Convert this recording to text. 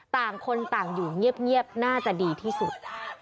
ต่างคนต่างอยู่เงียบน่าจะดีที่สุด